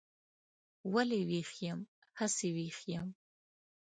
ولې ویښ یم؟ هسې ویښ یم.